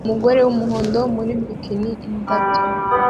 Umugore wumuhondo muri bikini-indabyo